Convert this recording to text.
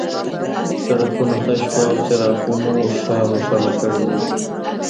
سړکونه تش وو او څراغونو ښار روښانه کړی و